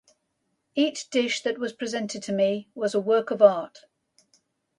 Each dish that was presented to me was a work of art.